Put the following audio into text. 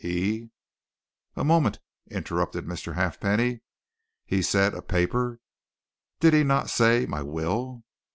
He " "A moment," interrupted Mr. Halfpenny. "He said 'a paper.' Did he not say 'my will'?"